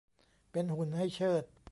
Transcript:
เป็นหุ่นให้เชิด